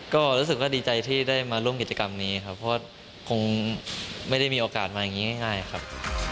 ก็รู้สึกว่าดีใจที่ได้มาร่วมกิจกรรมนี้ครับเพราะคงไม่ได้มีโอกาสมาอย่างนี้ง่ายครับ